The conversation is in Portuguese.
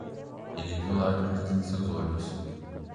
Ele viu lágrimas em seus olhos.